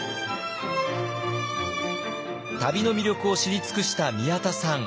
旅の魅力を知り尽くした宮田さん。